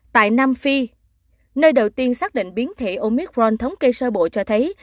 tại nam phi nơi đầu tiên xác định biến thể omicron thống kê sơ bộ cho thấy